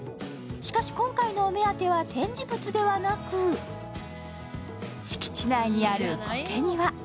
しかし今回のお目当ては展示物ではなく、敷地内にある苔庭。